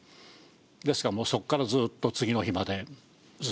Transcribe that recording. ですからもうそこからずっと次の日までずっと居続けましたね。